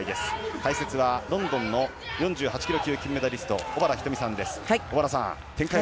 解説はロンドンオリンピック４８ｋｇ級金メダリスト小原日登美さんです。